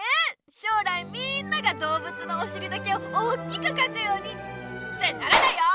しょうらいみんながどうぶつのおしりだけをおっきくかくようにってならないよ！